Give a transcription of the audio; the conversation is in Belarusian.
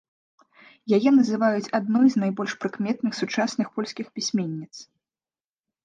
Яе называюць адной з найбольш прыкметных сучасных польскіх пісьменніц.